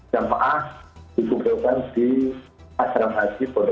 jamaah dikumpulkan di asram haji polo